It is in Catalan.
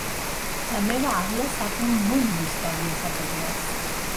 La meva àvia sap un munt d'històries de pagès.